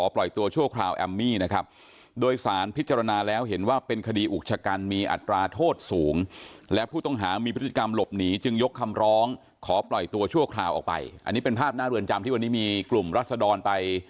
เป็นภาพน่าเหลือจำที่วันนี้มีกลุ่มรัศดรไป